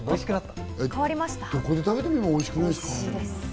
どこで食べても今、おいしくないですか？